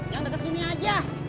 yang deket sini aja